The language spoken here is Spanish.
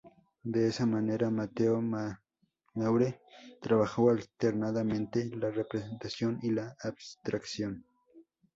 De esa manera, Mateo Manaure trabajó alternadamente la representación y la abstracción.